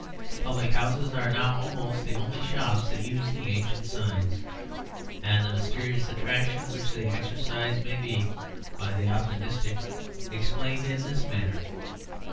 Public houses are now almost the only shops that use the ancient signs, and the mysterious attraction which they exercise may be (by the optimistic) explained in this manner.